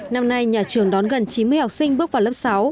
năm nay nhà trường đón gần chín mươi học sinh bước vào lớp sáu